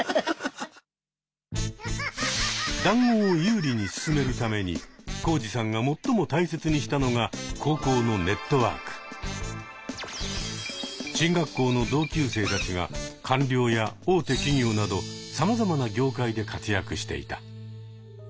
談合を有利に進めるためにコウジさんが最も大切にしたのが進学校の同級生たちが官僚や大手企業など様々な業界で活躍していた。